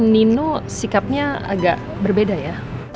nino sikapnya agak berbeda ya